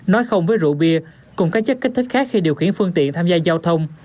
nói không với rượu bia cùng các chất kích thích khác khi điều khiển phương tiện tham gia giao thông